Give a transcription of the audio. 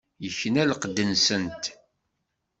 Ikna lqedd-nsent.